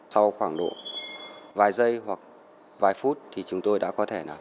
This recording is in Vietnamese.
sau khoảng độ vài giây hoặc vài phút thì chúng tôi đã có thể nắm mắt được